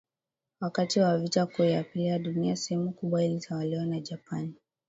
Wakati wa vita kuu ya pili ya dunia sehemu kubwa ilitwaliwa na Japani